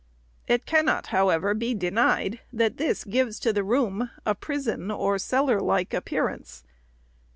It cannot, however, be denied, that this gives to the room a prison or cellar like appearance.